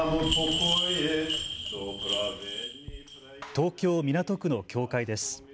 東京港区の教会です。